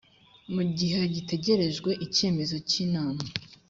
mu gihe hagitegerejwe icyemezo cy inama